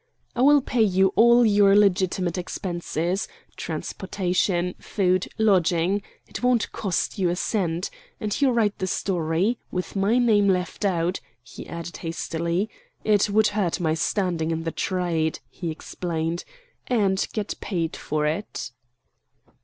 "I will pay all your legitimate expenses—transportation, food, lodging. It won't cost you a cent. And you write the story—with my name left out," he added hastily; "it would hurt my standing in the trade," he explained—"and get paid for it."